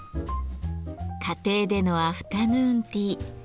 家庭でのアフタヌーンティー。